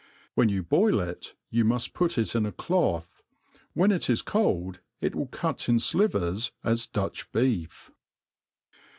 When you1>oiI it, you fnuft put it in a ^oth^ when ^ js cold^ it will cut in flivers as Dutch beef.